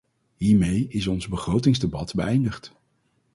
Hiermee is ons begrotingsdebat beëindigd.